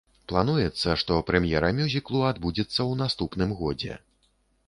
Плануецца, што прэм'ера мюзіклу адбудзецца ў наступным годзе.